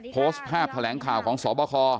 โพสต์ภาพแถลงข่าวของสบค